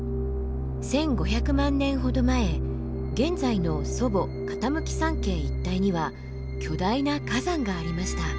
１，５００万年ほど前現在の祖母・傾山系一帯には巨大な火山がありました。